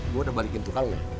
gua udah balikin tukang lu